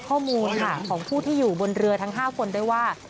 ข้อมูลค่ะของผู้ที่อยู่บนเรือทั้ง๕คนได้ว่า